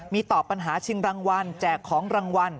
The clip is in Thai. มีต่อปัญหาชิงรางวัลแจกของรางวัล